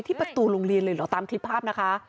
ประตูโรงเรียนเลยเหรอตามคลิปภาพนะคะ